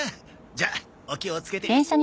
じゃあお気をつけて。